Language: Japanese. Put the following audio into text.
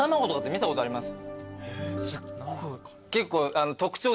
見たことあります。